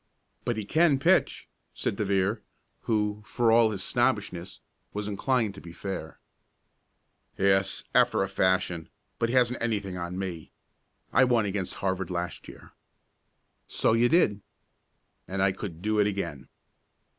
"But he can pitch," said De Vere, who, for all his snobbishness, was inclined to be fair. "Yes, after a fashion, but he hasn't anything on me. I won against Harvard last year." "So you did." "And I could do it again."